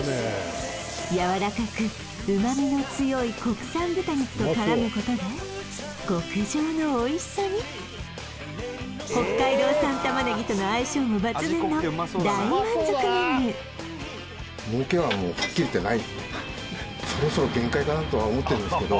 やわらかく旨味の強い国産豚肉と絡むことで極上のおいしさに北海道産玉ねぎとの相性も抜群の大満足メニュー！とは思ってるんですけど